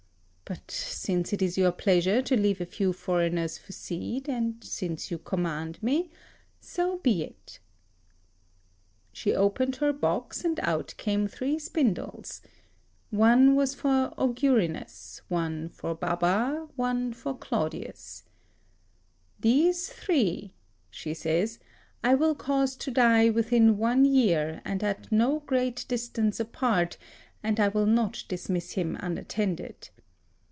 But since it is your pleasure to leave a few foreigners for seed, and since you command me, so be it." She opened her box and out came three spindles. One was for Augurinus, one for Baba, one for Claudius. [Footnote: "Augurinus" unknown. Baba: see Sep. Ep. 159, a fool.] "These three," she says, "I will cause to die within one year and at no great distance apart, and I will not dismiss him unattended.